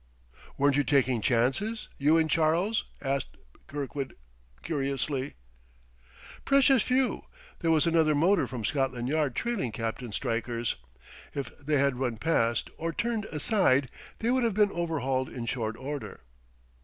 "Weren't you taking chances, you and Charles?" asked Kirkwood curiously. "Precious few. There was another motor from Scotland Yard trailing Captain Stryker's. If they had run past, or turned aside, they would have been overhauled in short order."